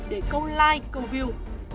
để câu like câu view